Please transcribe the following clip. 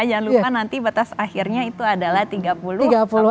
jangan lupa nanti batas akhirnya itu adalah tiga puluh april dua ribu dua puluh empat